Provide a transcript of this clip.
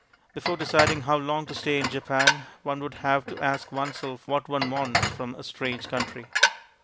Before deciding how long to stay in Japan, one would have to ask oneself what one wants from a strange country.